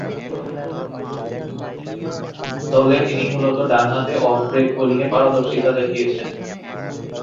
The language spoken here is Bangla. দলে তিনি মূলতঃ ডানহাতে অফ ব্রেক বোলিংয়ে পারদর্শিতা দেখিয়েছেন।